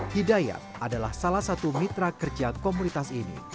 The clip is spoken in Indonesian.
hidayat adalah salah satu mitra kerja komunitas ini